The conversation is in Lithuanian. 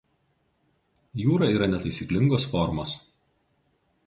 Jūra yra netaisyklingos formos.